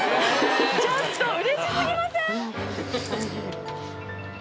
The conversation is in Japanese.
ちょっとうれしすぎません